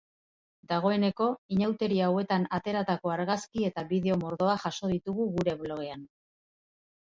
Dagoeneko, inauteri hauetan ateratako argazki eta bideo mordoa jaso ditugu gure blogean.